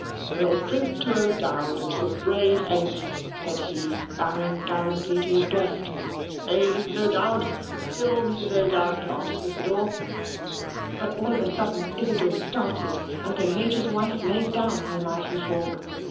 "We'll drink to O'Dowd and the brave th," said he, bowing gallantly to his guest. "Hey, Mrs. O'Dowd? Fill Mrs. O'Dowd's glass, Isidor." But all of a sudden, Isidor started, and the Major's wife laid down her knife and fork.